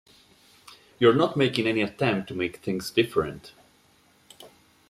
You're not making any attempt to make things different.